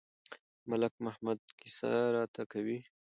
ملک محمد قصه راته کوي.